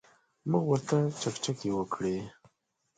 موږ ورته چکچکې وکړې.